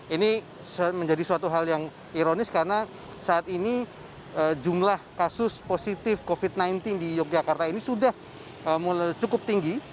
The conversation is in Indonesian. ini menjadi suatu hal yang ironis karena saat ini jumlah kasus positif covid sembilan belas di yogyakarta ini sudah cukup tinggi